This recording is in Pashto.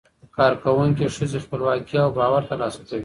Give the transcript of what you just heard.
کارکوونکې ښځې خپلواکي او باور ترلاسه کوي.